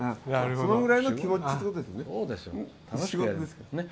そのぐらいの気持ちっていうことですよね。